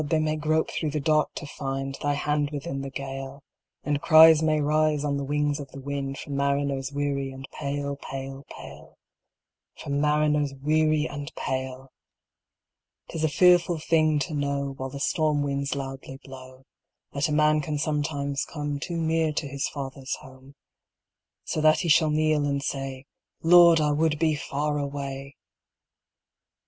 they may grope through the dark to find Thy hand within the gale; And cries may rise on the wings of the wind From mariners weary and pale, pale, pale From mariners weary and pale! 'Tis a fearful thing to know, While the storm winds loudly blow, That a man can sometimes come Too near to his father's home; So that he shall kneel and say, "Lord, I would be far away!"